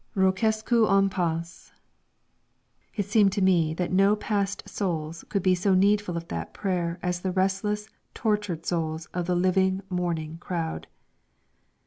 "Requiescat in pace!" It seemed to me that no passed souls could be so needful of that prayer as the restless, tortured souls of the living mourning crowd.